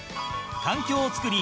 環境を作り